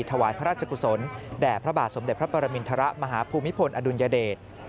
ถวายพระราชกุศลแด่พระบาทสมเด็จพระปรมินทรมาฮภูมิพลอดุลยเดช